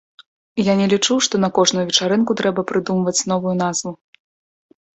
Я не лічу, што на кожную вечарынку трэба прыдумваць новую назву.